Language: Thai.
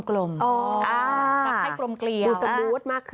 อ๋อให้กลมเกลียว